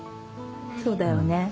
そうだよね。